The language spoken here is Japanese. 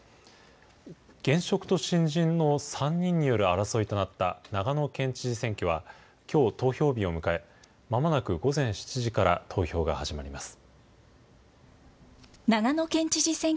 現職と新人の３人による争いとなった長野県知事選挙は、きょう、投票日を迎え、まもなく午前７時から投票が始まります。